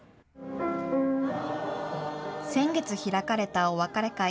先月開かれたお別れ会。